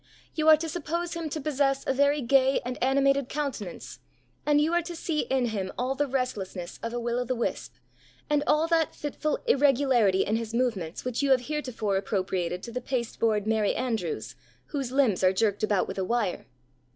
You are to suppose him to possess a very gay and animated countenance, and you are to see in him all the restlessness of a will o' wisp, and all that fitful irregularity in his movements which you have heretofore appropriated to the pasteboard Merry Andrews whose limbs are jerked about with a wire.